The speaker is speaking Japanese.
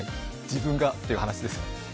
自分がという話です。